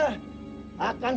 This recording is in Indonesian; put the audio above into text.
akan ku hancurkan